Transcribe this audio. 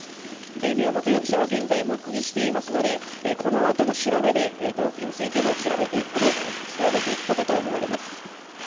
宮本容疑者は現在、黙秘していますのでこのあとの調べで動機についても調べていくことと思われます。